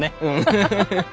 フフフフッ！